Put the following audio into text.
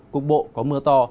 cục bộ có mưa to